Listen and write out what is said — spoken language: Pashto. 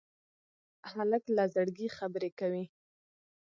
هلک له زړګي خبرې کوي.